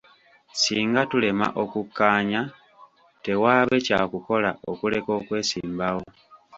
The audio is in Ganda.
Singa tulema okukkanya, tewaabe kyakukola okuleka okwesimbawo